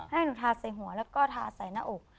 ให้หนูทาใส่หัวแล้วก็ทาใส่หน้าอก